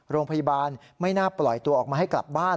โรงพยาบาลไม่น่าปล่อยตัวออกมาให้กลับบ้าน